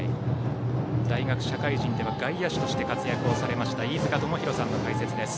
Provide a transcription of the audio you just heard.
大学・社会人では外野手として活躍されました飯塚智広さんの解説です。